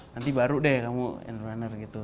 nanti baru deh kamu entrepreneur gitu